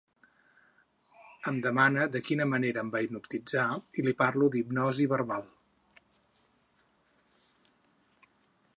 Em demana de quina manera em va hipnotitzar i li parlo d'hipnosi verbal.